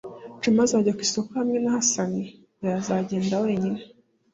juma azajya ku isoko hamwe na hasani? oya, azagenda wenyine